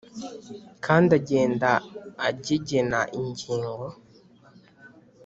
Kandi agenda agegena ingingo